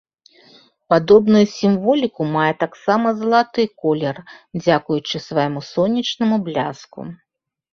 Падобную сімволіку мае таксама залаты колер, дзякуючы свайму сонечнаму бляску.